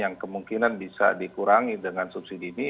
yang kemungkinan bisa dikurangi dengan subsidi ini